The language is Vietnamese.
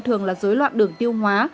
thường là dối loạn đường tiêu hóa